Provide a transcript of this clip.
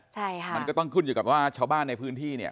ใช่ค่ะมันก็ต้องขึ้นอยู่กับว่าชาวบ้านในพื้นที่เนี่ย